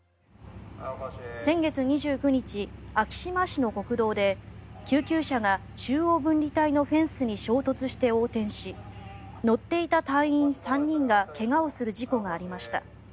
先月２９日、昭島市の国道で救急車が中央分離帯のフェンスに衝突して横転し乗っていた隊員３人が怪我をする事故がありました。